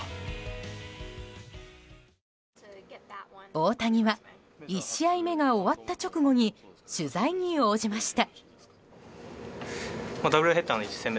大谷は１試合目が終わった直後取材に応じました。